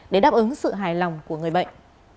để đáp ứng sự hài lòng của người bệnh